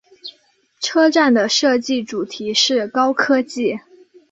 车站的设计主题是高科技。